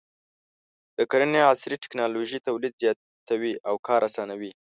د کرنې عصري ټکنالوژي تولید زیاتوي او کار اسانوي.